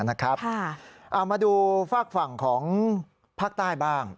เอามาดูฝากฝั่งของภาคใต้บ้าง